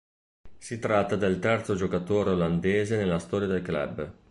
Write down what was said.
Si tratta del terzo giocatore olandese nella storia del club.